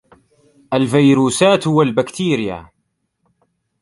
الفيروسات و البكتريا